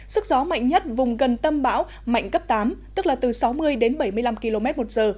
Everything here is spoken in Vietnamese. sức gió mạnh nhất vùng gần tâm bão mạnh cấp tám tức là từ sáu mươi đến bảy mươi năm km một giờ